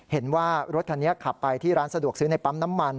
เห็นว่ารถคันนี้ขับไปที่ร้านสะดวกซื้อในปั๊มน้ำมัน